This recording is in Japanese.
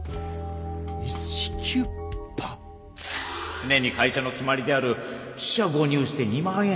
つねに会社の決まりである四捨五入して２万円。